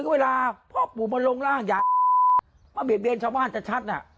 เวลาพ่อปู่มาลงร่างอยากมาเบียดเบียนชาวบ้านชัดน่ะ